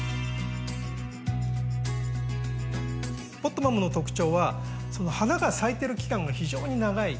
ポットマムの特徴は花が咲いてる期間が非常に長い。